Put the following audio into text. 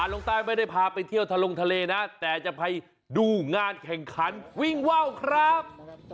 ลงใต้ไม่ได้พาไปเที่ยวทะลงทะเลนะแต่จะไปดูงานแข่งขันวิ่งว่าวครับ